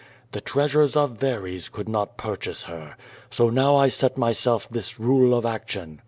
The treasures of Verres could not purchase her. So now I set myself this rule of ac tion.